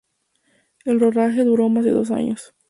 El rodaje duró más de dos años.